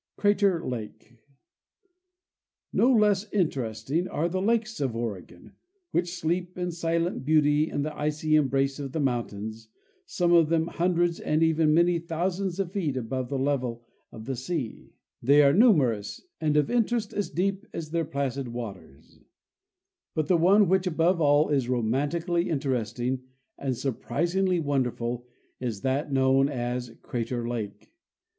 Crater Lake. No less interesting are the lakes of Oregon, which sleep in silent beauty in the icy embrace of the mountains, some of them hun dreds and even many thousands of feet above the level of the sea. They are numerous and of interest as deep as their placid The mysterious and majestic Lake 273 waters ; but the one which above all is romantically interesting and surprisingly wonderful is that known as Crater lake.